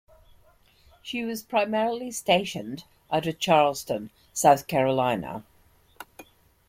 She was primarily stationed out of Charleston, South Carolina.